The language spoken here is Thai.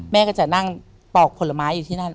แม่ก็จะนั่งปอกผลไม้อยู่ที่นั่น